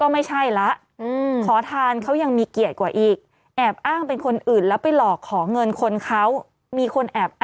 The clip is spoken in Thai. อ้วนระวังด้วยนะครับ